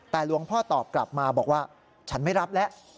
แต่หลวงพ่อตอบกลับมาบอกว่าฉันไม่รับแล้ว